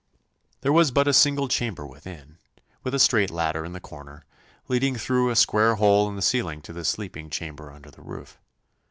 There was but a single chamber within, with a straight ladder in the corner, leading through a square hole in the ceiling to the sleeping chamber under the roof.